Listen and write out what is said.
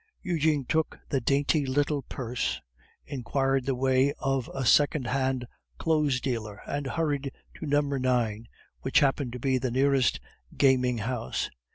Eugene took the dainty little purse, inquired the way of a second hand clothes dealer, and hurried to number 9, which happened to be the nearest gaming house.